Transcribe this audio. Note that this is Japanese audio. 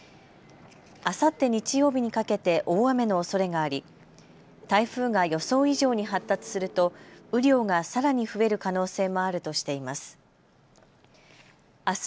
あさって日曜日にかけて大雨のおそれがあり台風が予想以上に発達すると雨量がさらに増える可能性もあるとしています。